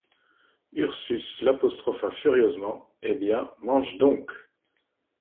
Ursus l’apostropha furieusement :— Eh bien, mange donc !